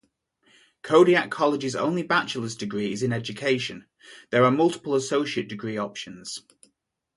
Kodiak College's only bachelor's degree is in education; there are multiple associate degree options.